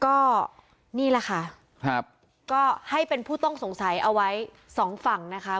ก็นี่แหละค่ะครับก็ให้เป็นผู้ต้องสงสัยเอาไว้สองฝั่งนะคะ